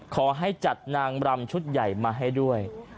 ขอให้จัดนางรำชุดใหญ่มาให้ด้วย